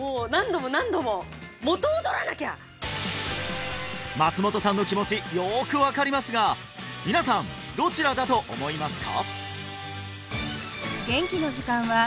もう松本さんの気持ちよく分かりますが皆さんどちらだと思いますか？